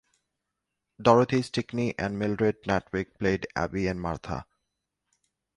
Dorothy Stickney and Mildred Natwick played Abby and Martha.